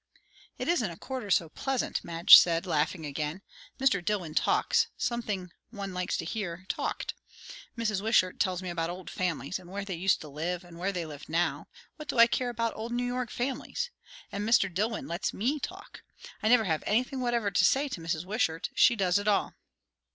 "It isn't a quarter so pleasant," Madge said, laughing again. "Mr. Dillwyn talks, something one likes to hear talked. Mrs. Wishart tells me about old families, and where they used to live, and where they live now; what do I care about old New York families! And Mr. Dillwyn lets me talk. I never have anything whatever to say to Mrs. Wishart; she does it all."